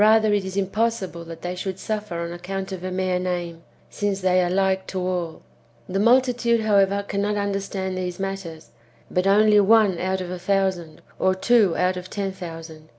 Book l] IRENJ^US AGAINST HERESIES. . 93 impossible that tliey should suffer on account of a mere name, since they are like to all. The multitude^ however, cannot understand these matters, but only one out of a thousand, or two out of ten thousand.